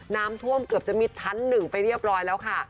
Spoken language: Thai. น้ำท่วมเกือบจะมิดชั้น๑ไปเรียบร้อยแล้วค่ะ